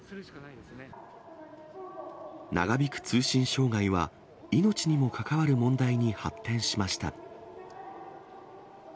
長引く通信障害は、命にも関わる問題に発展しました。